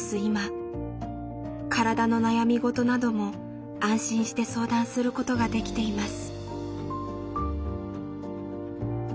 体の悩み事なども安心して相談することができています。